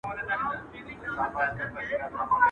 o چي غول خورې د پلو خوره دا خوره.